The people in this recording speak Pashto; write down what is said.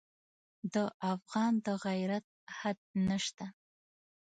د افغان د غیرت حد نه شته.